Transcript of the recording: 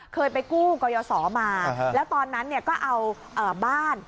เคยไปกู้ก่อยสอมาแล้วตอนนั้นก็เอาบ้าน